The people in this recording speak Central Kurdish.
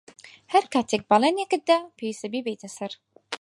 ھەر کاتێک بەڵێنێکت دا، پێویستە بیبەیتە سەر.